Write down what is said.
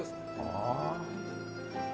ああ。